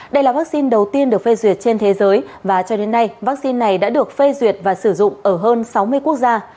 đây là vaccine đầu tiên được phê duyệt trên thế giới và cho đến nay vaccine này đã được phê duyệt và sử dụng ở hơn sáu mươi quốc gia